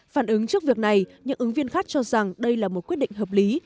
phản ứng trước việc này những ứng viên khác cho rằng đây là một quyết định hợp lý